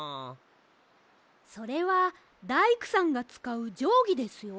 それはだいくさんがつかうじょうぎですよ。